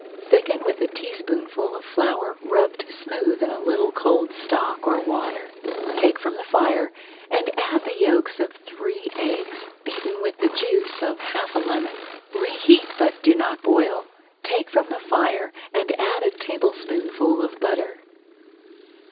Thicken with a teaspoonful of flour, rubbed smooth in a little cold stock or water, take from the fire, and add the yolks of three eggs beaten with the juice of half a lemon. Reheat, but do not boil. Take from the fire and add a tablespoonful of butter.